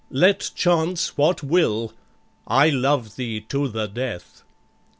Let chance what will, I love thee to the death!"